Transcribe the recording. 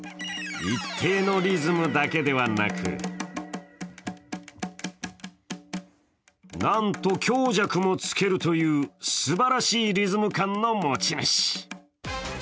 一定のリズムだけではなくなんと、強弱もつけるというすばらしいリズム感の持ち主。